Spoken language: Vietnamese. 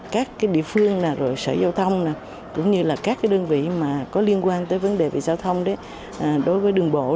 các địa phương sở giao thông các đơn vị liên quan tới vấn đề về giao thông đối với đường bộ